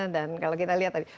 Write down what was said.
dan kalau kita lihat tadi